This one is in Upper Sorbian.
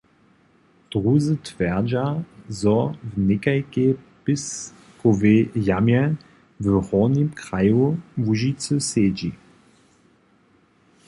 Druzy twjerdźa, zo w někajkej pěskowej jamje w hornim kraju Łužicy sedźi.